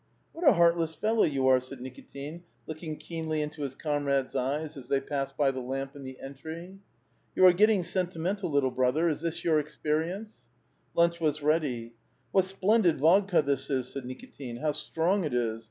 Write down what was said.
" What a heartless fellow you are !" said Nikitin, looking keenly into his comrade's eyes as they passed by the lamp in the entry. " You are getting sentimental, little brother. Is this your experience ?" Lunch was ready. " What splendid vodJca this is," said Nikitin ;" how strong it is